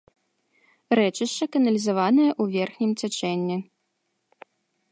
Рэчышча каналізаванае ў верхнім цячэнні.